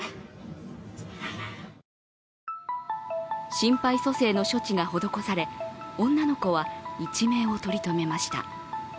心肺蘇生の処置が施され女の子は一命を取り留めました。